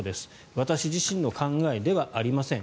私自身の考えではありません。